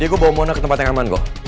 gue bawa mona ke tempat yang aman kok